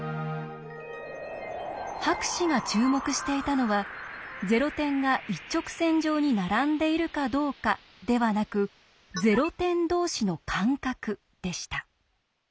博士が注目していたのは「ゼロ点が一直線上に並んでいるかどうか」ではなく「ゼロ点同士の間隔」でした。